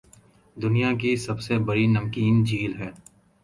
دنیاکی سب سے بڑی نمکین جھیل ہے